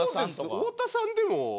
太田さんでも。